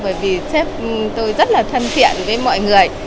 bởi vì sép tôi rất là thân thiện với mọi người